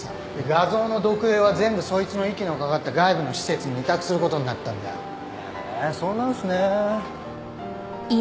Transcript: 画像の読影は全部そいつの息のかかった外部の施設に委託することになったんだよ。へそうなんすね。